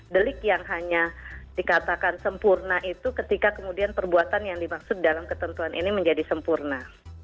delik yang hanya dikatakan sempurna itu ketika kemudian perbuatan yang dimaksud dalam ketentuan ini menjadi sempurna